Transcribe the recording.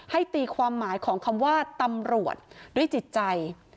ตีความหมายของคำว่าตำรวจด้วยจิตใจ